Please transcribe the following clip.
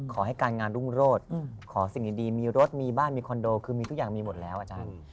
ขอให้การงานรุ่งโรศขอสิ่งดีมีรถมีบ้านมีคอนโดคือมีทุกอย่างมีหมดแล้วอาจารย์